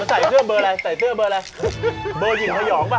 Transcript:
ใส่เสื้อเบอร์อะไรเบอร์เย็งพยองป่ะ